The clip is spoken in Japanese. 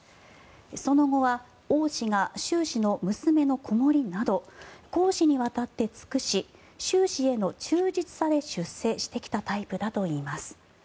その後はオウ氏が習氏の娘の子守など公私にわたって尽くし習氏への忠実さで出世してきたタイプだといいます。